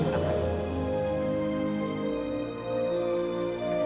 jadi kalau kalian mau ke wolos save